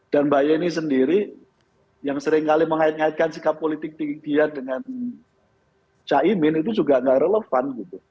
dan mbak yeni sendiri yang seringkali mengaitkan sikap politik dengan chaimin itu juga tidak relevan